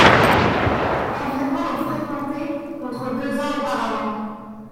Environ l'ont fréquenté, contre deux ans auparavant.